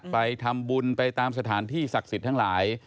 ไปทำบุญไปตามสถานที่ศักดิ์สิทธิ์ทั้งหลาย